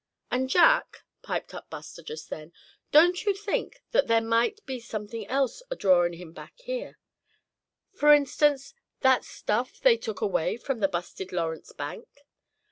"And Jack," piped up Buster just then, "don't you think that there might be something else adrawin' him back here f'r instance, that stuff they took away from the busted Lawrence bank?"